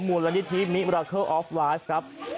มูลนิธิมิตรัคเกอร์ออฟไลฟ์ครับ